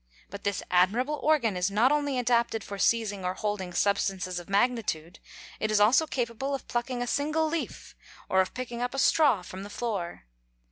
But this admirable organ is not only adapted for seizing or holding substances of magnitude; it is also capable of plucking a single leaf, or of picking up a straw from the floor.